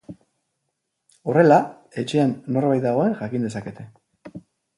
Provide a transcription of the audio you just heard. Horrela, etxean norbait dagoen jakin dezakete.